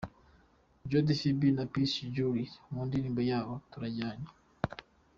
Jody Phibi na Peace Jolis mu ndirimbo yabo 'Turajyanye'.